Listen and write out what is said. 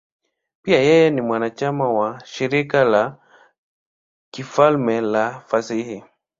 Pia yeye ni mwanachama wa Shirika la Kifalme la Fasihi.